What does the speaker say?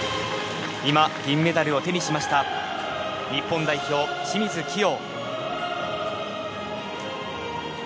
今、銀メダルを手にしました日本代表、清水希容。